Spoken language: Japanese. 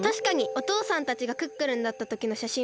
おとうさんたちがクックルンだったときのしゃしんは？